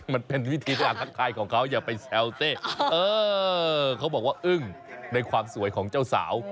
มันเป็นวิธีการทักทายของเขาอย่าไปแซวเต้เขาบอกว่าอึ้งในความสวยของเจ้าสาว